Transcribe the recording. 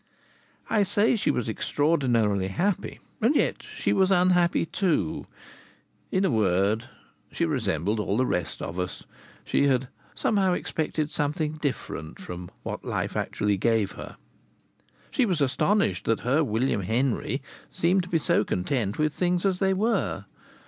I say she was extraordinarily happy; and yet she was unhappy too. In a word, she resembled all the rest of us she had "somehow expected something different" from what life actually gave her. She was astonished that her William Henry seemed to be so content with things as they were.